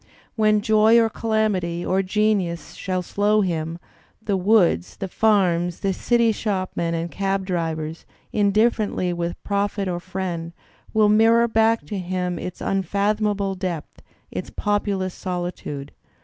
When joy or calamity or genius shall show him it, the woods, the farms, the city shopmen and cab drivers, indifferently with prophet or friend, will mirror back to him its unfathom able depth, its populous solitude."